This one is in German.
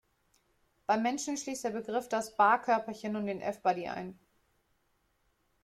Beim Menschen schließt der Begriff das Barr-Körperchen und den F-Body ein.